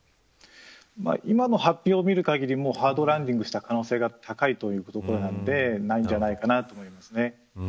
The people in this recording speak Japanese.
今の発表を見る限りハードランディングした可能性が高いということなのでないと思います。